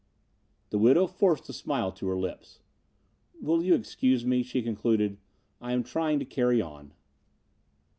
The widow forced a smile to her lips. "Will you excuse me?" she concluded. "I am trying to carry on."